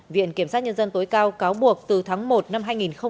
viện kiểm soát nhân dân tối cao cáo buộc từ tháng một năm hai nghìn một mươi năm